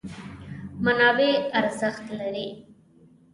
منابع ارزښت لري.